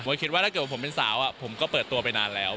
คิดว่าถ้าเกิดว่าผมเป็นสาวผมก็เปิดตัวไปนานแล้ว